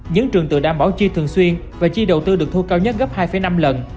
những trường tự đảm bảo chi thường xuyên và chi đầu tư được thu cao nhất gấp hai năm lần